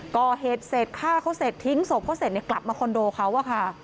ก่อเหตุเสร็จฆ่าเขาเสร็จทิ้งศพเขาเสร็จกลับมาคอนโดเขาอะค่ะ